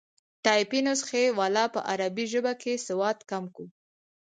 ټایپي نسخې والا په عربي ژبه کې سواد کم وو.